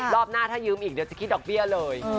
รอบหน้าถ้ายืมอีกเดี๋ยวจะคิดดอกเบี้ยเลย